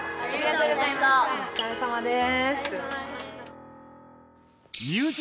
おつかれさまです。